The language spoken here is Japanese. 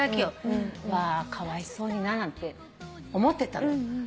うわかわいそうにななんて思ってたのよ。